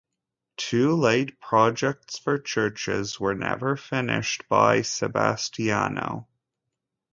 Two late projects for churches were never finished by Sebastiano.